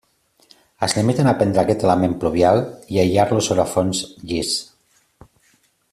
Es limiten a prendre aquest element pluvial i a aïllar-lo sobre fons llis.